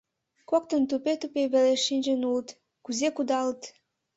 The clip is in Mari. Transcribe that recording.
Коктын тупе-тупе веле шинчын улыт, кузе кудалыт!